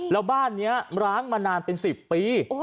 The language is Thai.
แล้วบ้านนี้ร้างมานานเป็น๑๐ปี